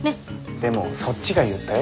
でもそっちが言ったよ？